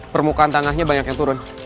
permukaan tanahnya banyak yang turun